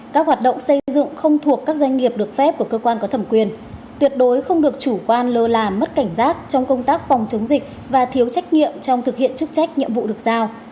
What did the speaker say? các hoạt động xây dựng không thuộc các doanh nghiệp được phép của cơ quan có thẩm quyền tuyệt đối không được chủ quan lơ là mất cảnh giác trong công tác phòng chống dịch và thiếu trách nhiệm trong thực hiện chức trách nhiệm vụ được giao